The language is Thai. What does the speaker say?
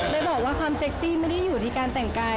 ได้บอกว่าความเซ็กซี่ไม่ได้อยู่ที่การแต่งกาย